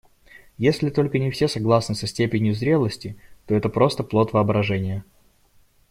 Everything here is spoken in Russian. Если только не все согласны со степенью зрелости, то это просто плод воображения.